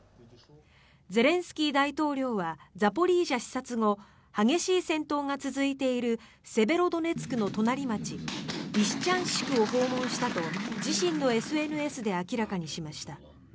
ゼレンスキー大統領はザポリージャ視察後激しい戦闘が続いているセベロドネツクの隣町リシチャンシクを訪問したと自身のＳＮＳで明らかにしました。